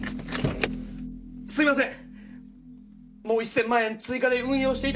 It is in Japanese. すいません！